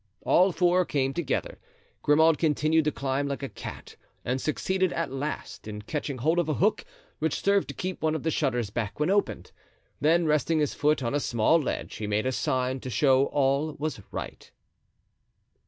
All four came up together. Grimaud continued to climb like a cat and succeeded at last in catching hold of a hook, which served to keep one of the shutters back when opened. Then resting his foot on a small ledge he made a sign to show all was right.